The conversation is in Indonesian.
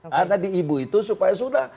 karena di ibu itu supaya sudah